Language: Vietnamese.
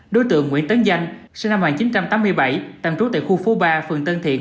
đối tượng nguyễn tấn danh sinh năm một nghìn chín trăm tám mươi bảy tạm trú tại khu phố ba phường tân thiện